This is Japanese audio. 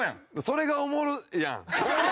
それがおもろいやん。